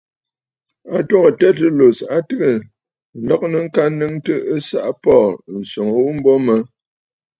A twoŋə̀ Tertullus, a tɨgə̀ ǹlɔgɨnə ŋka nnɨŋtə ɨsaʼa Paul, ǹswoŋə ghu mbo mə.